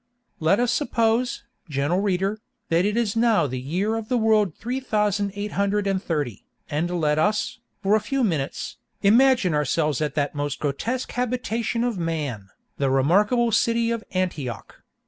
Let us suppose, gentle reader, that it is now the year of the world three thousand eight hundred and thirty, and let us, for a few minutes, imagine ourselves at that most grotesque habitation of man, the remarkable city of Antioch.